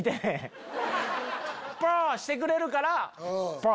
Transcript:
してくれるからポ！